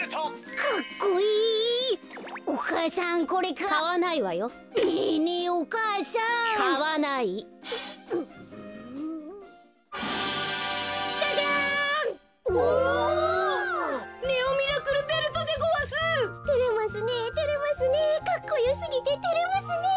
かっこよすぎててれますねえ。